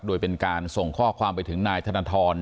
โดยเป็นการส่งข้อความไปถึงนายธนทร